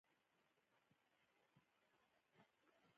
زه موبایل چارج کوم